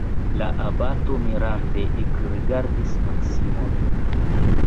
La abato mirante ekrigardis Maksimon.